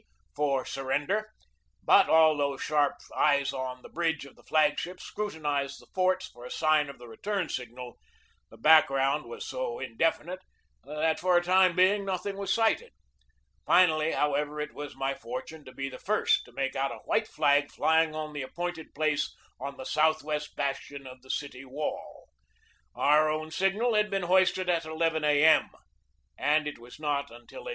for "Surrender"; but, although sharp eyes on the bridge of the flag ship scrutinized the forts for a sign of the return signal, the back ground was so indefinite that for a time nothing was THE TAKING OF MANILA 279 sighted. Finally, however, it was my fortune to be the first to make out a white flag flying on the ap pointed place on the southwest bastion of the city wall. Our own signal had been hoisted at n A. M., and it was not until 11.